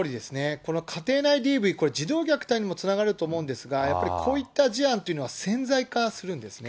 この家庭内ＤＶ、これ、児童虐待にもつながると思うんですが、やっぱりこういった事案というのは、潜在化するんですね。